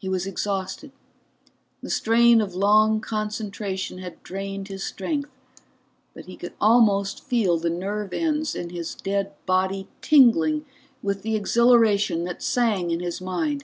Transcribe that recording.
He was exhausted, the strain of long concentration had drained his strength, but he could almost feel the nerve ends in his dead body tingling with the exhilaration that sang in his mind.